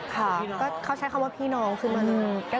ค่ะเขาใช้คำว่าพี่น้องคืออะไร